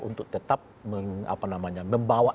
untuk tetap membawa